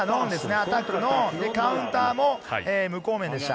アタックノン、カウンターも無効面でした。